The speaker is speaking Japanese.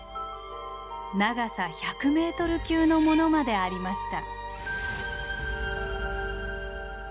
長さ１００ｍ級のものまでありました。